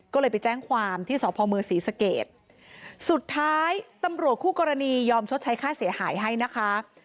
ก็เลยไปแจ้งความที่สพมศรีสเกตสุดท้ายตำรวจคู่กรณียอมชดใช้ค่าเสียหายให้นะคะ